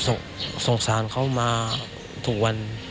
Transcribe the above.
เพราะสงสารเขามาทุกวัน